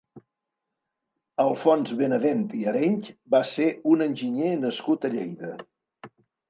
Alfons Benavent i Areny va ser un enginyer nascut a Lleida.